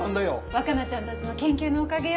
若菜ちゃんたちの研究のおかげよ